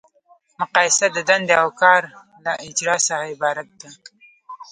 مقایسه د دندې او کار له اجرا څخه عبارت ده.